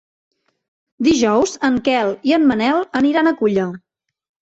Dijous en Quel i en Manel aniran a Culla.